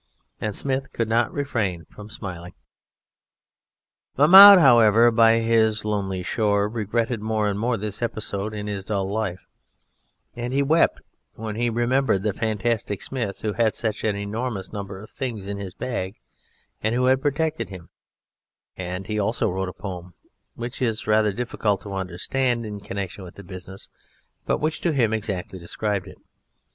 And Smith could not refrain from smiling. Mahmoud, however, by his lonely shore, regretted more and more this episode in his dull life, and he wept when he remembered the fantastic Smith, who had such an enormous number of things in his bag and who had protected him; and he also wrote a poem, which is rather difficult to understand in connection with the business, but which to him exactly described it.